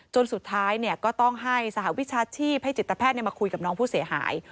สุดท้ายก็ต้องให้สหวิชาชีพให้จิตแพทย์มาคุยกับน้องผู้เสียหาย